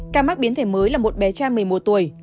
ca mắc biến thể mới là một bé trai một mươi một tuổi